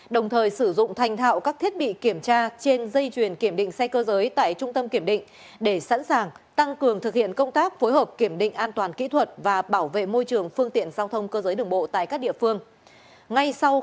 đồng thời sử dụng thành thạo các thiết bị kiểm tra trên dây chuyền kiểm định xe cơ giới tại trung tâm kiểm định để sẵn sàng tăng cường thực hiện công tác phối hợp kiểm định an toàn kỹ thuật và bảo vệ môi trường phương tiện giao thông cơ giới đường bộ tại các địa phương